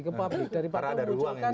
ke pak pdip dari pak pdip menunjukkan